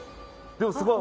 でもすごい。